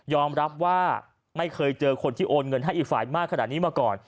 รับว่าไม่เคยเจอคนที่โอนเงินให้อีกฝ่ายมากขนาดนี้มาก่อน